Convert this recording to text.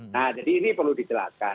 nah jadi ini perlu dijelaskan